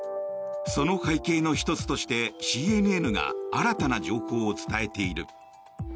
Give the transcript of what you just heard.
その背景の１つとして、ＣＮＮが新たな情報を伝えている。